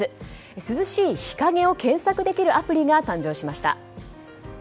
涼しい日陰を検索できるアプリが誕生しました。